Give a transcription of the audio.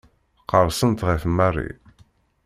Qerrsent ɣef Mary.